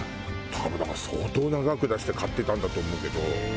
多分だから相当な額出して買ってたんだと思うけど。